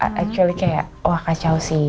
kecuali kayak wah kacau sih